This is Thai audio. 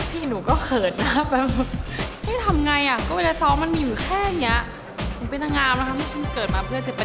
พี่หนูก็เขิดนะครับแบบ